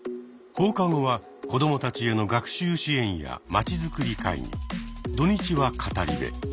放課後は子どもたちへの学習支援やまちづくり会議土日は語り部。